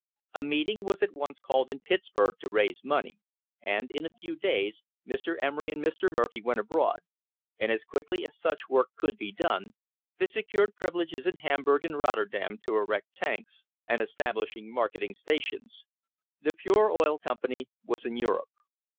A meeting was at once called in Pittsburg to raise money, and in a few days Mr. Emery and Mr. Murphy went abroad, and, as quickly as such work could be done, they secured privileges in Ham burg and Rotterdam to erect tanks and establish marketing stations. The Pure Oil Company was in Europe.